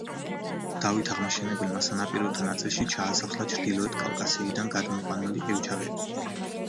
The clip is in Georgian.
დავით აღმაშენებელმა სანაპიროთა ნაწილში ჩაასახლა ჩრდილოეთ კავკასიიდან გადმოყვანილი ყივჩაღები.